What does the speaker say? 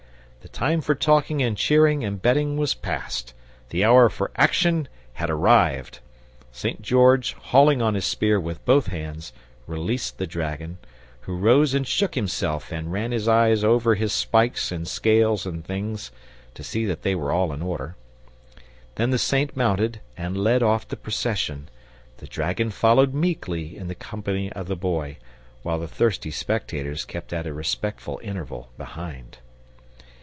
The time for talking and cheering and betting was past, the hour for action had arrived. St. George, hauling on his spear with both hands, released the dragon, who rose and shook himself and ran his eye over his spikes and scales and things, to see that they were all in order. Then the Saint mounted and led off the procession, the dragon following meekly in the company of the Boy, while the thirsty spectators kept at a respectful interval behind.